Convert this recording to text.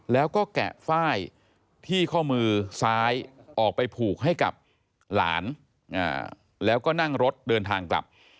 แล้วก็แกะฝ้ายที่ข้อมือซ้ายออกไปผูกให้กับหลานแล้วก็นั่งรถเดินทางกลับ